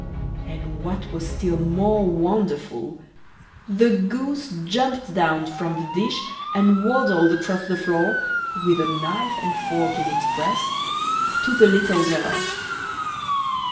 And what was still more wonderful, the goose jumped down from the dish and waddled across the floor, with a knife and fork in its breast, to the little girl.